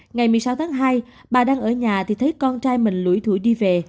ngày một mươi sáu tháng hai bà đang ở nhà thì thấy con trai mình lũy thủy đi về